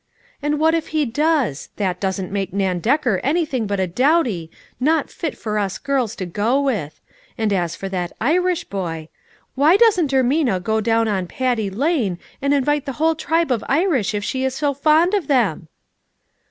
And what if he does? That doesn't make Nan Decker anything but a dowdy, not fit for us girls to go with ; and as for that Irish boy ! Why doesn't Ermina go down on Paddy 370 LITTLE FISHERS: AND THEIR NETS. Lane and invite the whole tribe of Irish if she is so fond of them